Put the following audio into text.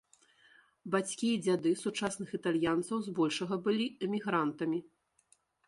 Бацькі і дзяды сучасных італьянцаў збольшага былі эмігрантамі.